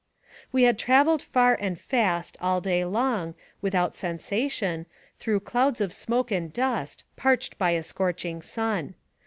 We had traveled far and fast all day long, without cessation, through clouds of smoke and dust, parched by a scorching sun.